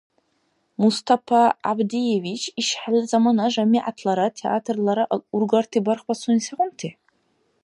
Мустапа ГӀябдиевич, ишхӀелла замана жамигӀятлара театрлара ургарти бархбасуни сегъунти?